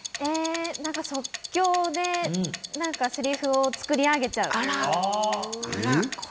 即興でせりふを作りあげちゃう？